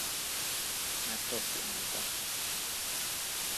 Mert rosszul mondta.